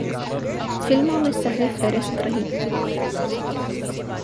فلموں میں سرِ فہرست رہی۔